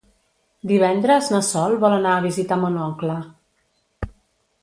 Divendres na Sol vol anar a visitar mon oncle.